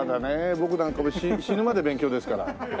僕なんかも死ぬまで勉強ですから。